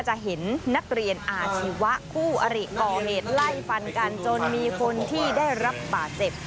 จะเห็นนักเรียนอาชีวะคู่อริก่อเหตุไล่ฟันกันจนมีคนที่ได้รับบาดเจ็บ